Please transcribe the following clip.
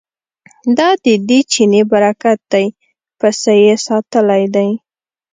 دا ددې چیني برکت دی پسه یې ساتلی دی.